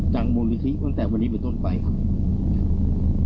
มูลนิธิตั้งแต่วันนี้เป็นต้นไปครับ